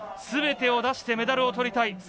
すべてを出してメダルをとりたい。